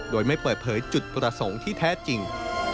โดยไม่เปิดเผยจุดประสงค์ที่แท้จริง